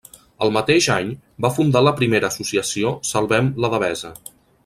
El mateix any, va fundar la primera associació Salvem la Devesa.